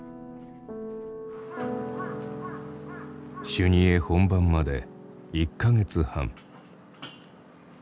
修二会本番まで１か月半。